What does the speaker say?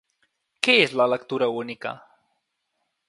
Què és la lectura única?